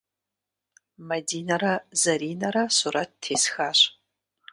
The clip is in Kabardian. Мадинэрэ Заринэрэ сурэт тесхащ.